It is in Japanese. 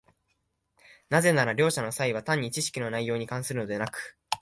なぜなら両者の差異は単に知識の内容に関するのでなく、